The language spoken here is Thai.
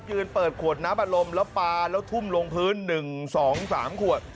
ยืนเปิดขวดน้ำอารมณ์แล้วปลาแล้วทุ่มลงพื้น๑๒๓ขวด